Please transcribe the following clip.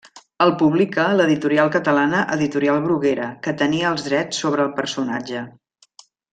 El publica l'editorial catalana Editorial Bruguera que tenia els drets sobre el personatge.